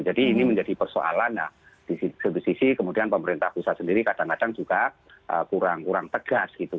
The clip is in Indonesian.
jadi ini menjadi persoalan nah di satu sisi kemudian pemerintah pusat sendiri kadang kadang juga kurang tegas gitu